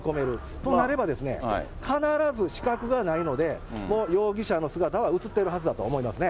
となれば、必ず死角がないので、容疑者の姿は写っているはずだと思いますね。